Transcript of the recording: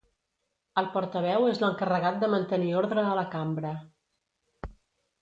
El portaveu és l'encarregat de mantenir ordre a la cambra.